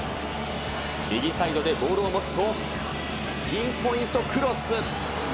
右サイドでボールを持つと、ピンポイントクロス。